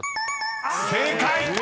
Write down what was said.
［正解！